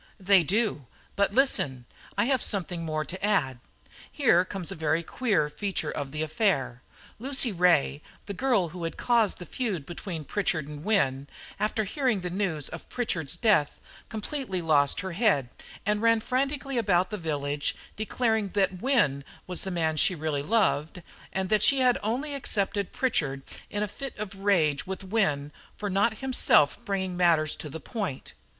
"They do; but listen, I have something more to add. Here comes a very queer feature in the affair. Lucy Ray, the girl who had caused the feud between Pritchard and Wynne, after hearing the news of Pritchard's death, completely lost her head, and ran frantically about the village declaring that Wynne was the man she really loved, and that she had only accepted Pritchard in a fit of rage with Wynne for not himself bringing matters to the point.